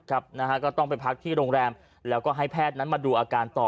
ก็ต้องไปพักที่โรงแรมแล้วก็ให้แพทย์นั้นมาดูอาการต่อ